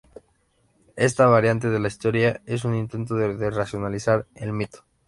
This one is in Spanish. Esta variante de la historia es un intento de racionalizar el mito.